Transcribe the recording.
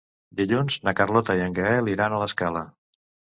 Dilluns na Carlota i en Gaël iran a l'Escala.